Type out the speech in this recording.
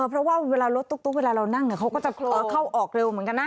เพราะว่าเวลารถตุ๊กเวลาเรานั่งเขาก็จะเข้าออกเร็วเหมือนกันนะ